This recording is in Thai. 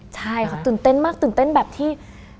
ใช่ค่ะตื่นเต้นมากตื่นเต้นแบบที่